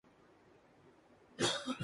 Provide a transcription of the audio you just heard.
انوراگ کشیپ نے نوازالدین صدیقی کی بات مان لی